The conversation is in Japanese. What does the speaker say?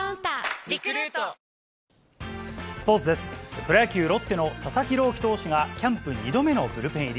プロ野球・ロッテの佐々木朗希投手がキャンプ２度目のブルペン入り。